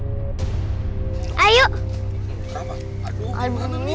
aduh gimana ini ya ini juga awal itu gue ketuk brand suhu cium henacee '